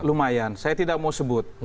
lumayan saya tidak mau sebut